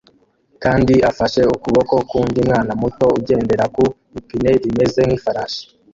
kandi afashe ukuboko k'undi mwana muto ugendera ku ipine rimeze nk'ifarashi